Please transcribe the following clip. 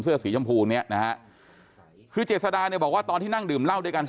เสื้อสีชมพูนะคือเจศดาบอกว่าตอนที่นั่งดื่มเล่าด้วยกัน